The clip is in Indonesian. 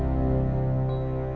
banyak temennya abi